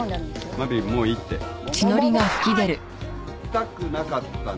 痛くなかったなぁ。